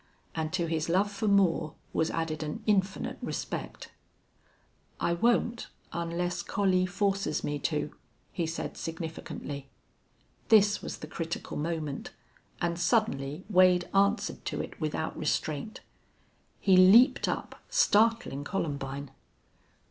And to his love for Moore was added an infinite respect. "I won't unless Collie forces me to," he said, significantly. This was the critical moment, and suddenly Wade answered to it without restraint. He leaped up, startling Columbine.